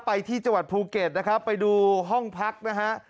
ไปที่จังหวัดภูเก็ตนะครับไปดูห้องพักนะฮะ